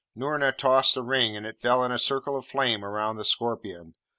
Noorna tossed a ring, and it fell in a circle of flame round the scorpion.